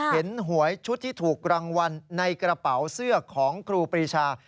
หวยชุดที่ถูกรางวัลในกระเป๋าเสื้อของครูปรีชา